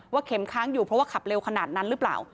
เข็มค้างอยู่เพราะว่าขับเร็วขนาดนั้นหรือเปล่า